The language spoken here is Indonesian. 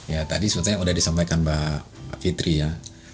ya tadi sebetulnya sudah disampaikan mbak fitri ya